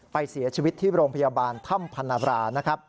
ไปเสียชีวิตที่โรงพยาบาลถ้ำพนาบรา